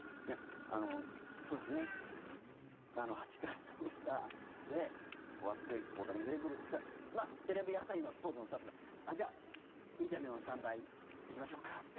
あのそうですね８回の裏、終わって大谷が出てくるっていったらテレビ朝日のスポーツのスタッフがじゃあインタビューのスタンバイ行きましょうかって。